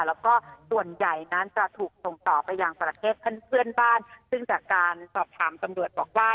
แล้วก็ส่วนใหญ่นั้นจะถูกส่งต่อไปยังประเทศเพื่อนบ้านซึ่งจากการสอบถามตำรวจบอกว่า